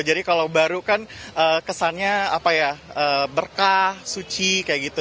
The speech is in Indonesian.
jadi kalau baru kan kesannya apa ya berkah suci kayak gitu